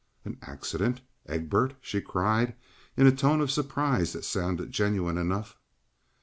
"An accident? Egbert?" she cried, in a tone of surprise that sounded genuine enough.